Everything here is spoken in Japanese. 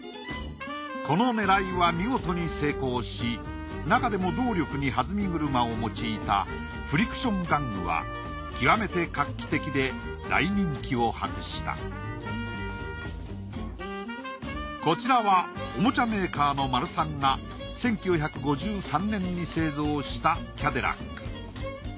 この狙いは見事に成功しなかでも動力にはずみ車を用いたフリクション玩具は極めて画期的で大人気を博したこちらはおもちゃメーカーのマルサンが１９５３年に製造したキャデラック。